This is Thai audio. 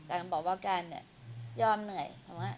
บอกว่าการเนี่ยยอมเหนื่อย